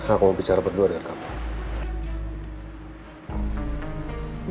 aku mau bicara berdua dengan kamu